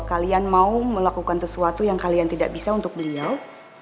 kalian mau melakukan sesuatu yang kalian tidak bisa untuk beliau